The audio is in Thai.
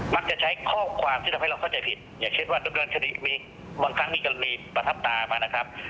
มักจะใช้ข้อความที่ทำให้เราเข้าใจผิดอย่างเช็ดว่าดุรันคดีมีกรณีประทับตามานะครับ